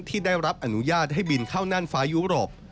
ที่ได้รับอนุญาตให้บินเข้าน่านฟ้ายุโรป